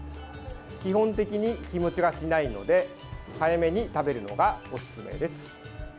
基本的に日持ちがしないので早めに食べるのがおすすめです。